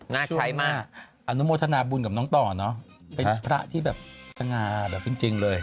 ใช้มากอนุโมทนาบุญกับน้องต่อเนอะเป็นพระที่แบบสง่าแบบจริงเลย